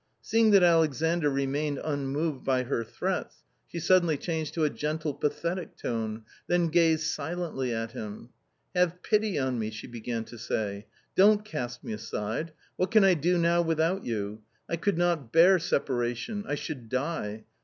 Seeing that Alexandr remained unmoved by her threats, she suddenly changed to a gentle, pathetic tone, then gazed silently at him. " Have pity on me !" she began to say ; "don't cast me aside ; what can I do now without you ? I could not bear separation. I should die